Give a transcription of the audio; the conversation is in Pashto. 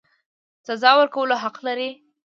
سزا ورکولو حق لري.